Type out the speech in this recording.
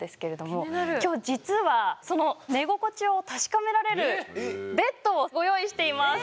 今日実はその寝心地を確かめられるベッドをご用意しています。